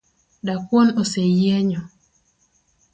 Dakwuon oseyienyo